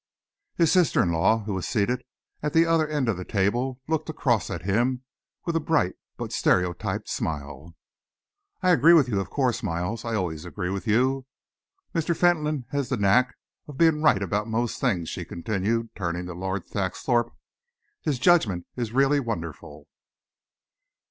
His sister in law, who was seated at the other end of the table, looked across at him with a bright but stereotyped smile. "I agree with you, of course, Miles. I always agree with you. Mr. Fentolin has the knack of being right about most things," she continued, turning to Lord Saxthorpe. "His judgment is really wonderful."